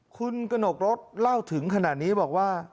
คุณกระหนกรถเล่าถึงขนาดนี้บอกว่า